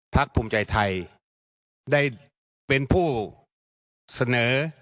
ภูมิใจไทยได้เป็นผู้เสนอ